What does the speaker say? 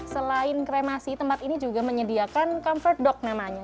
selain kremasi tempat ini juga menyediakan comfort dock namanya